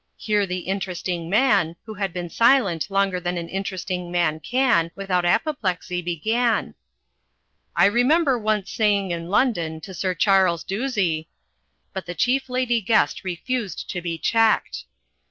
Here the Interesting Man, who had been silent longer than an Interesting Man can, without apoplexy, began: "I remember once saying in London to Sir Charles Doosey " But the Chief Lady Guest refused to be checked.